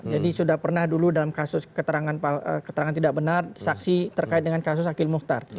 jadi sudah pernah dulu dalam kasus keterangan tidak benar saksi terkait dengan kasus akhil muhtar